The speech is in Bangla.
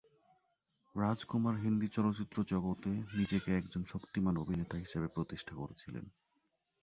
রাজকুমার হিন্দি চলচ্চিত্র জগতে নিজেকে একজন শক্তিমান অভিনেতা হিসেবে প্রতিষ্ঠা করেছেন।